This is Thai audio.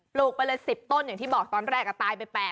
ลูกไปเลย๑๐ต้นอย่างที่บอกตอนแรกก็ตายไป๘